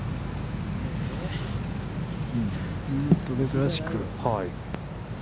珍しく。